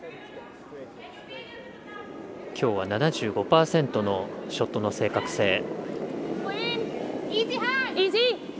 きょうは７５％のショットの正確性。